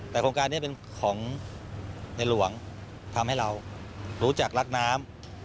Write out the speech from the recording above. แต่โครงการนี้เป็นของในหลวงทำให้เรารู้จักรักน้ำ